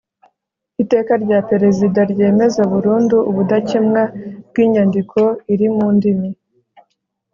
iteka rya perezida ryemeza burundu ubudakemwa bw'inyandiko iri mu ndimi